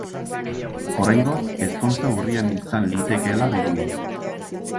Oraingoz, ezkontza urrian izan litekeela dirudi.